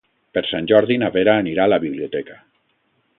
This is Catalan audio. Per Sant Jordi na Vera anirà a la biblioteca.